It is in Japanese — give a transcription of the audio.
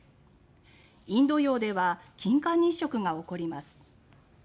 インド洋では金環日食が起こります。